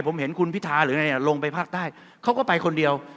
ผมเห็นคุณพิธาหรืออะไรลงไปภาคใต้เขาก็ไปคนเดียว